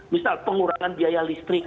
misal pengurangan biaya listrik